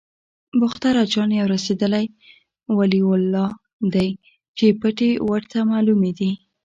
باختر اجان یو رسېدلی ولي الله دی چې پټې ورته معلومې دي.